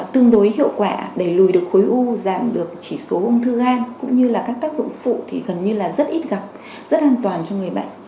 tương đối hiệu quả để lùi được khối u giảm được chỉ số ung thư gan cũng như là các tác dụng phụ thì gần như là rất ít gặp rất an toàn cho người bệnh